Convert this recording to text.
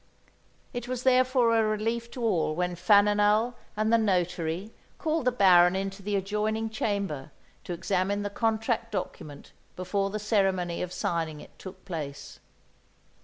It was, therefore, a relief to all when Faninal and the notary called the Baron into the adjoining chamber to examine the contract document before the ceremony of signing it took place.